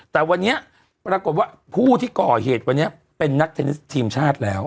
แต่วันนี้ปรากฏว่าผู้ที่ก่อเหตุวันนี้เป็นนักเทนนิสทีมชาติแล้ว